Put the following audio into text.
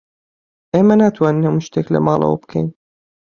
ئێمە ناتوانین هەموو شتێک لە ماڵەوە بکەین.